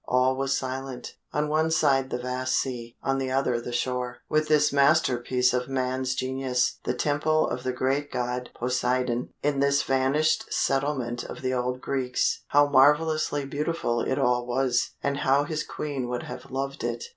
All was silence. On one side the vast sea, on the other the shore, with this masterpiece of man's genius, the temple of the great god Poseidon, in this vanished settlement of the old Greeks. How marvellously beautiful it all was, and how his Queen would have loved it!